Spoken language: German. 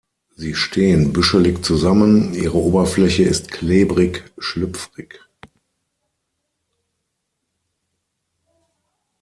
Sie stehen büschelig zusammen, ihre Oberfläche ist klebrig-schlüpfrig.